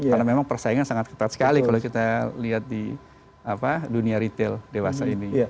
karena memang persaingan sangat ketat sekali kalau kita lihat di dunia retail dewasa ini